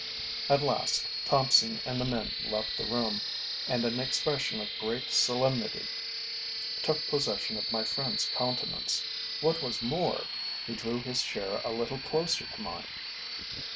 At last Thompson and the men left the room, and an expression of great solemnity took possession of my friend's countenance. What was more, he drew his chair a little closer to mine.